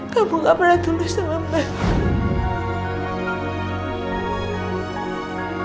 kamu gak pernah tulis sama mbak